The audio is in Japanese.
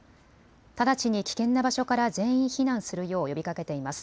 直ちに危険な場所から全員避難するよう呼びかけています。